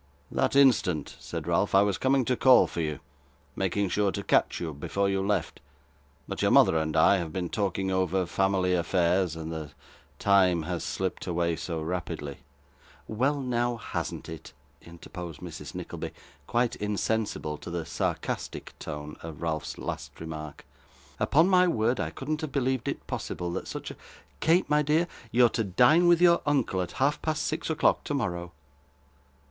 'That instant,' said Ralph. 'I was coming to call for you, making sure to catch you before you left; but your mother and I have been talking over family affairs, and the time has slipped away so rapidly ' 'Well, now, hasn't it?' interposed Mrs. Nickleby, quite insensible to the sarcastic tone of Ralph's last remark. 'Upon my word, I couldn't have believed it possible, that such a Kate, my dear, you're to dine with your uncle at half past six o'clock tomorrow.